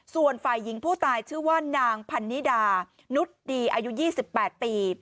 ส่วนฝ่ายหญิงผู้ตายชื่อว่านางพันนิดานุษย์ดีอายุ๒๘ปี